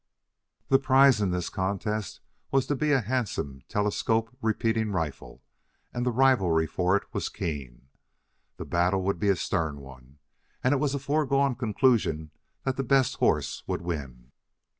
The prize in this contest was to be a handsome telescope repeating rifle, and the rivalry for it was keen. The battle would be a stern one, and it was a foregone conclusion that the best horse would win.